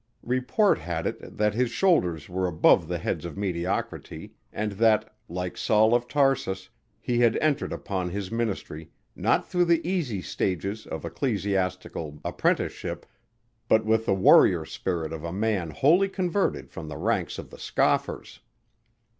Report had it that his shoulders were above the heads of mediocrity and that, like Saul of Tarsus, he had entered upon his ministry, not through the easy stages of ecclesiastical apprenticeship, but with the warrior spirit of a man wholly converted from the ranks of the scoffers.